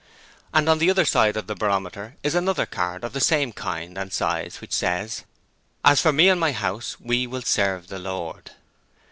And on the other side of the barometer is another card of the same kind and size which says: 'As for me and my house we will serve the Lord.'